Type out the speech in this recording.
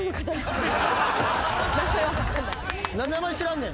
何で名前知らんねん？